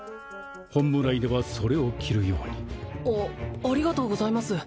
本部内ではそれを着るようにあありがとうございます